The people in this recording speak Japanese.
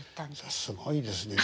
すごいですね。